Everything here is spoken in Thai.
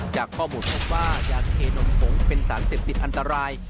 จากข้อมูลพบว่ายาเคนมผงเป็นสารเสพติดอันตราย